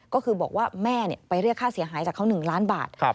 ก็คือบอกว่าแม่ไปเรียกค่าเสียหายจากเขา๑ล้านบาท